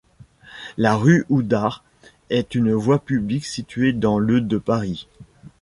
La rue Houdart est une voie publique située dans le de Paris.